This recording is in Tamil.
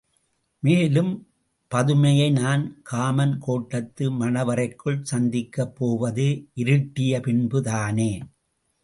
மேலும் பதுமையை நான் காமன்கோட்டத்து மணவறைக்குள் சந்திக்கப் போவது இருட்டிய பின்புதானே?